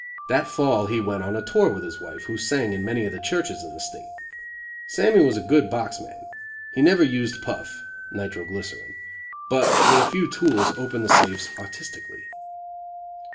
That fall he went on a tour with his wife who sang in many of the churches in the State. Sammy was a good box man. He never used puff (nitro glycerine), but with a few tools opened the safes artistically.